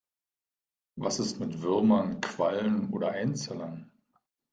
Was ist mit Würmern, Quallen oder Einzellern?